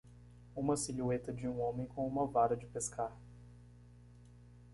Uma silhueta de um homem com uma vara de pescar.